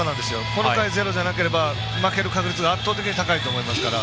この回ゼロじゃなければ負ける確率が圧倒的に高いと思いますから。